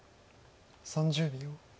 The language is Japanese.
３０秒。